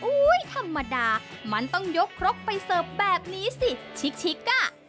ธรรมดามันต้องยกครกไปเสิร์ฟแบบนี้สิชิกอ่ะ